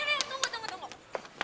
nih neo tunggu tunggu tunggu